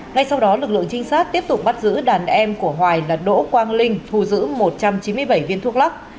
ngay sau đó lực lượng trinh sát tiếp tục bắt giữ đàn em của hoài là đỗ quang linh thu giữ một trăm chín mươi bảy viên thuốc lắc